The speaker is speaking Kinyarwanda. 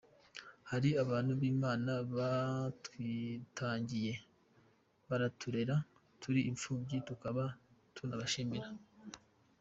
Hari abantu b’Imana batwitangiye baraturera turi imfubyi tukaba tubashimira.